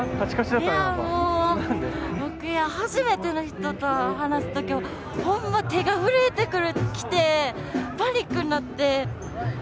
いやもう僕初めての人と話す時はほんま手が震えてきてパニックになって。